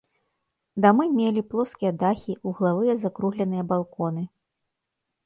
Дамы мелі плоскія дахі, вуглавыя закругленыя балконы.